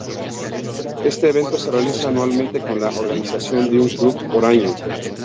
Este evento se realiza anualmente con la organización de un club por año.